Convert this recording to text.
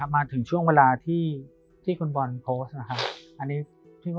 มาถึงช่วงเวลาที่ครูบอลโพสต์